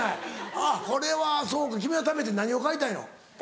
あっこれはそうか君はためて何を買いたいの？